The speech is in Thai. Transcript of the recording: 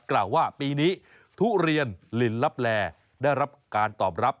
กล่าวว่าปีนี้ทุเรียนลินลับแลได้รับการตอบรับ